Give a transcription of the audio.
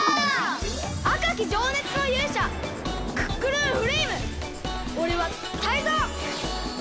あかきじょうねつのゆうしゃクックルンフレイムおれはタイゾウ！